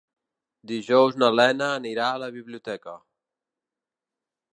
Dijous na Lena anirà a la biblioteca.